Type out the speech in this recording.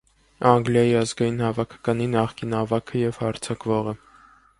Անգլիայի ազգային հավաքականի նախկին ավագը և հարձակվողը։